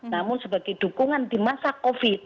namun sebagai dukungan di masa covid